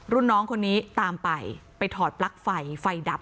รุ่นน้องคนนี้ตามไปไปถอดปลั๊กไฟไฟดับ